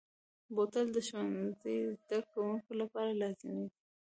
بوتل د ښوونځي زده کوونکو لپاره لازمي دی.